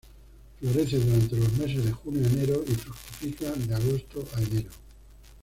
Florece durante los meses de junio a enero y fructifica de agosto a enero.